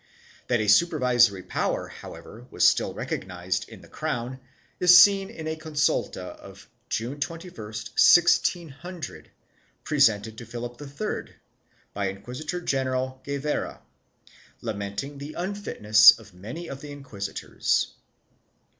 3 That a supervisory power, however, was still recognized in the crown is seen in a consulta of June 21, 1600, presented to Philip III, by Inquisitor general Guevara, lamenting the unfitness of many of the inquisitors.